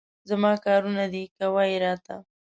زما کارونه دي، کوه یې راته.